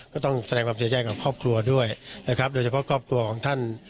ก็ต้องแสดงความเสียใจกับครอบครัวด้วยนะครับโดยเฉพาะครอบครัวของท่าน